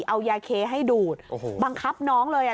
เอายาเคให้ดูดบังคับน้องเลยอะ